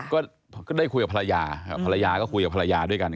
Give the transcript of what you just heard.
ก็ได้คุยกับภรรยาภรรยาก็คุยกับภรรยาด้วยกัน